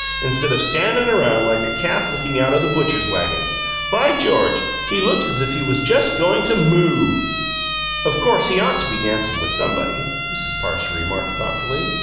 "Instead of standing around like a calf looking out of the butcher's wagon! By George! he looks as if he was just going to MOO!" "Of course he ought to be dancing with somebody," Mrs. Parcher remarked, thoughtfully.